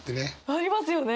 なりますよね！